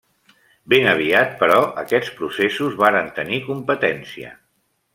Ben aviat, però, aquests processos varen tenir competència.